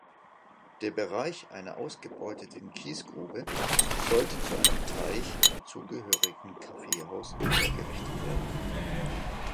Der Bereich einer ausgebeuteten Kiesgrube sollte zu einem Teich mit zugehörigem Kaffeehaus hergerichtet werden.